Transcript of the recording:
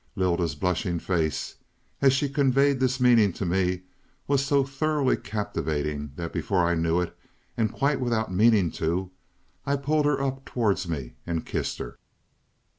Lylda's blushing face, as she conveyed this meaning to me, was so thoroughly captivating, that before I knew it, and quite without meaning to, I pulled her up towards me and kissed her.